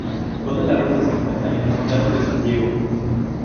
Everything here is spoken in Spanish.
Toda la ruta se encuentra en el condado de San Diego.